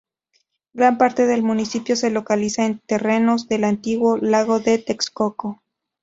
Gran parte del municipio se localiza en terrenos del antiguo Lago de Texcoco.